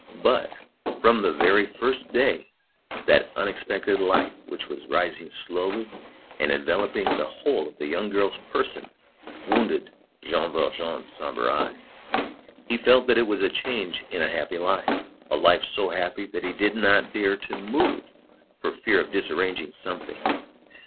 But, from the very first day, that unexpected light which was rising slowly and enveloping the whole of the young girl's person, wounded Jean Valjean's sombre eye. He felt that it was a change in a happy life, a life so happy that he did not dare to move for fear of disarranging something.